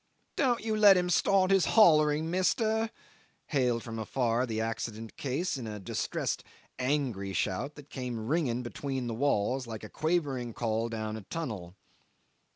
"Don't you let him start his hollering, mister," hailed from afar the accident case in a distressed angry shout that came ringing between the walls like a quavering call down a tunnel.